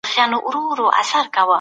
د شیطان وسوسې نه اورېدل کېږي.